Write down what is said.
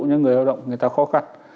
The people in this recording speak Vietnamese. cho người lao động người ta khó khăn